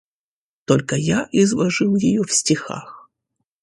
Только я изложил ее в стихах.